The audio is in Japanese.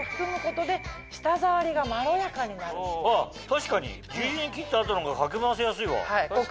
確かに十字に切った後の方がかき回せやすいわ。